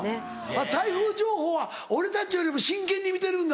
台風情報は俺たちよりも真剣に見てるんだ。